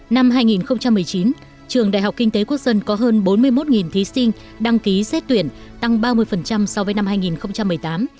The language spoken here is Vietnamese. năm hai nghìn một mươi chín trường đại học kinh tế quốc dân có hơn bốn mươi một thí sinh đăng ký xét tuyển tăng ba mươi so với năm hai nghìn một mươi tám